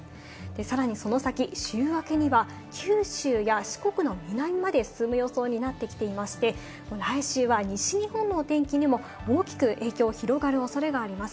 さらにその先、週明けには九州や四国の南まで進む予想になってきていまして、来週は西日本の天気にも大きく影響、広がる恐れがあります。